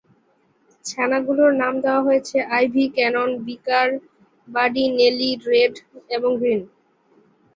ছানাগুলোর নাম দেওয়া হয়েছে Ivy, Canon, Beaker, Buddy, Nellie, Red এবং গ্রিন।